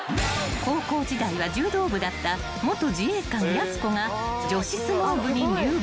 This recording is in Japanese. ［高校時代は柔道部だった元自衛官やす子が女子相撲部に入部］